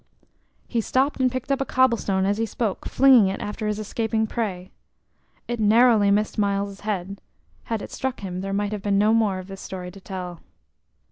He stopped and picked up a cobble stone as he spoke, flinging it after his escaping prey. It narrowly missed Myles's head; had it struck him, there might have been no more of this story to tell.